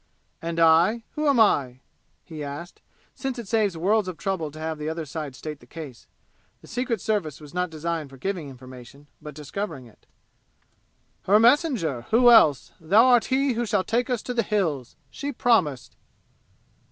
"And I? Who am I?" he asked, since it saves worlds of trouble to have the other side state the case. The Secret Service was not designed for giving information, but discovering it. "Her messenger! Who else? Thou art he who shall take us to the 'Hills'! She promised!"